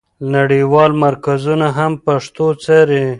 نړیوال مرکزونه هم پښتو څاري.